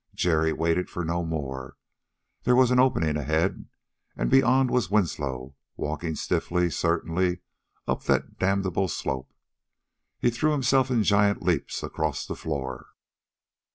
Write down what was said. Jerry waited for no more. There was an opening ahead, and beyond was Winslow, walking stiffly, certainly, up that damnable slope. He threw himself in giant leaps across the floor.